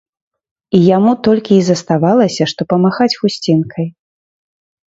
І яму толькі і заставалася, што памахаць хусцінкай.